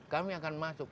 kami akan masuk